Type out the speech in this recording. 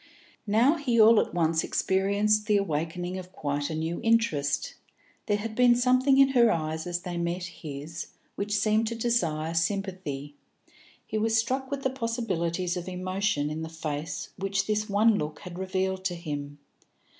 Now he all at once experienced the awakening of quite a new interest; there had been something in her eyes as they met his which seemed to desire sympathy; he was struck with the possibilities of emotion in the face which this one look had revealed to him.